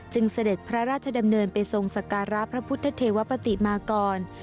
เสด็จพระราชดำเนินไปทรงสการะพระพุทธเทวปฏิมากร